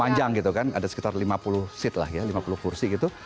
panjang gitu kan ada sekitar lima puluh seat lah ya lima puluh kursi gitu